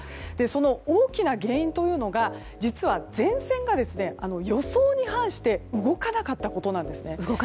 その大きな原因というのが実は前線が、予想に反して動かなかったことなんです。